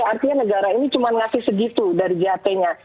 artinya negara ini cuma ngasih segitu dari jht nya